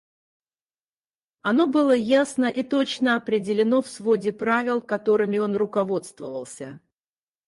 Оно было ясно и точно определено в своде правил, которыми он руководствовался.